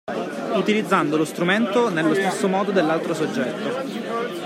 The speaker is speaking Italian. Utilizzando lo strumento nello stesso modo dell'altro soggetto.